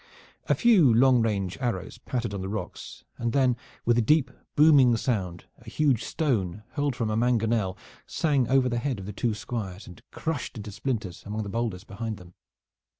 A few long range arrows pattered on the rocks, and then with a deep booming sound a huge stone, hurled from a mangonel, sang over the head of the two Squires and crushed into splinters amongst the boulders behind them.